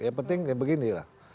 yang penting beginilah